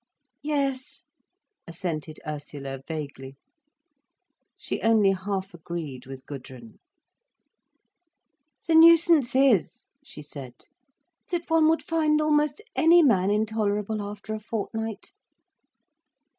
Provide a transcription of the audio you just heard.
"Yes," assented Ursula vaguely. She only half agreed with Gudrun. "The nuisance is," she said, "that one would find almost any man intolerable after a fortnight."